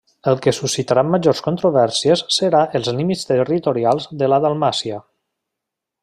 El que suscitarà majors controvèrsies serà els límits territorials de la Dalmàcia.